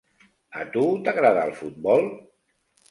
A tu t'agrada el futbol?